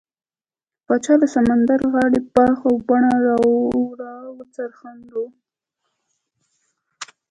د پاچا له سمندرغاړې باغ و بڼه راوڅرخېدو.